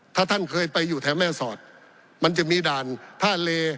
ถ้าท่านเคยไปอยู่แถวแม่สอดมันจะมีด่านท่าเล